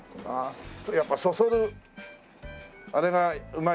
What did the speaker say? やっぱそそるあれがうまいね。